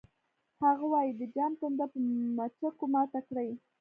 هغه وایی د جام تنده په مچکو ماته کړئ